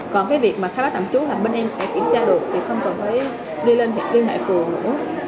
còn cái việc mà khai báo tạm trú là bên em sẽ kiểm tra được thì không cần phải đi lên hệ thống hệ phường nữa